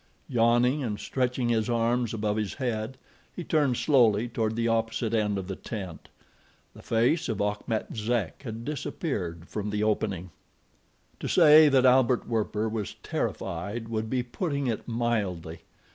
Yawning, and stretching his arms above his head, he turned slowly toward the opposite end of the tent. The face of Achmet Zek had disappeared from the opening. To say that Albert Werper was terrified would be putting it mildly.